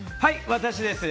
私ですね！